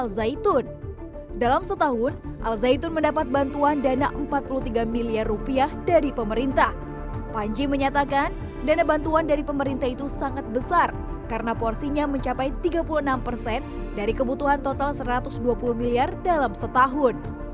alzaitun dalam setahun alzaitun mendapat bantuan dana empat puluh tiga miliar rupiah dari pemerintah panji menyatakan dana bantuan dari pemerintah itu sangat besar karena porsinya mencapai tiga puluh enam persen dari kebutuhan total satu ratus dua puluh miliar dalam setahun